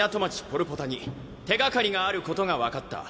ポルポタに手がかりがあることが分かった。